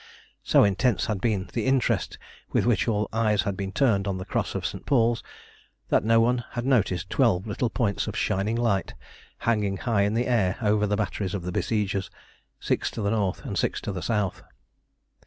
So intense had been the interest with which all eyes had been turned on the Cross of St. Paul's that no one had noticed twelve little points of shining light hanging high in air over the batteries of the besiegers, six to the north and six to the south.